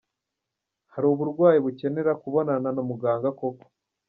Hari uburwayi bukenera kubonana na muganga koko.